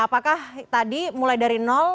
apakah tadi mulai dari nol